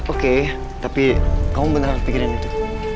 oke tapi kau benar pikiran itu